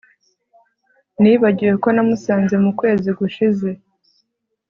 Nibagiwe ko namusanze mukwezi gushize